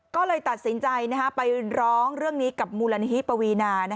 ก็เลยตัดสินใจไปร้องเรื่องนี้กับมูลนิธิปวีนา